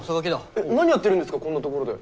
えっ何やってるんですかこんな所で。